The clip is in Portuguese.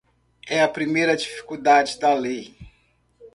É a primeira dificuldade da lei.